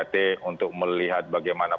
t untuk melihat bagaimana